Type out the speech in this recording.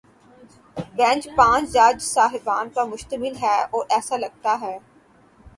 Bench پانچ جج صاحبان پر مشتمل ہے، اور ایسا لگتا ہے۔